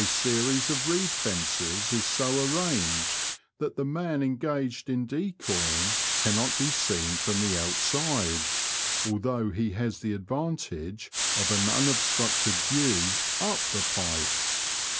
series of reed fences is so arranged that the man engaged in decoying cannot be seen from the outside, although he has the advantage of an unobstructed view up the pipe.